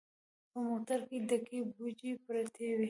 په موټر کې ډکې بوجۍ پرتې وې.